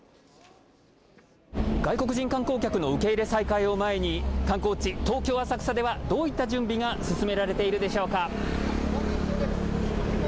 外国人観光客の受け入れ再開を前に観光地、東京浅草ではどういった準備が進められているでしょうか。